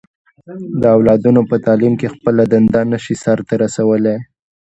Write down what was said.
د اولادونو په تعليم کې خپله دنده نه شي سرته رسولی.